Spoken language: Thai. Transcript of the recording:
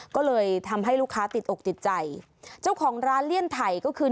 ก็เลยทำให้ลูกค้าติดอกติดใจเจ้าของร้านเลี่ยนไถ่ก็คือ